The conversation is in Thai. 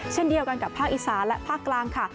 เช่นเดียวกันกับภาคอีสานและภาคกลางค่ะ